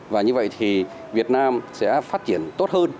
và như vậy thì việt nam sẽ phát triển tốt hơn